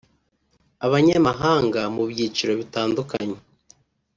abanyamahanga mu byiciro bitandukanye